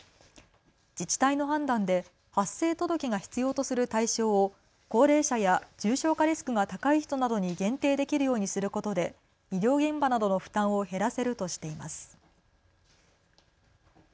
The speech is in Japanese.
自治体の判断で発生届が必要とする対象を高齢者や重症化リスクが高い人などに限定できるようにすることで医療現場などの負担を減らせるとしています。